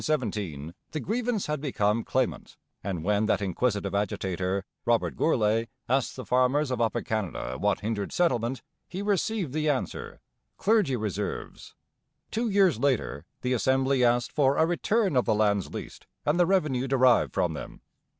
By 1817 the grievance had become clamant; and when that inquisitive agitator, Robert Gourlay, asked the farmers of Upper Canada what hindered settlement, he received the answer Clergy Reserves. Two years later the Assembly asked for a return of the lands leased and the revenue derived from them.